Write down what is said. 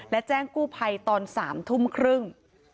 และแจ้งกู้ภัยตอน๓ทุ่มครึ่ง